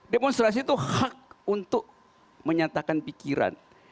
demonstrasi itu hak untuk menyatakan pikiran